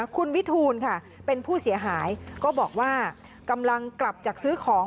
คุณวิทูลค่ะเป็นผู้เสียหายก็บอกว่ากำลังกลับจากซื้อของ